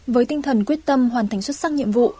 với tinh thần quyết tâm hoàn thành xuất sắc nhiệm vụ